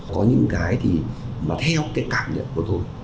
có những cái mà theo cảm nhận của tôi